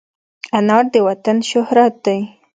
انار د وطن شهرت دی.